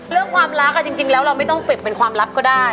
เรื่องความรักจริงแล้วเราไม่ต้องเก็บเป็นความลับก็ได้